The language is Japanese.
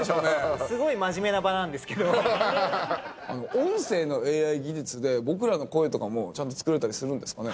音声のＡＩ技術で僕らの声とかもちゃんと作れたりするんですかね。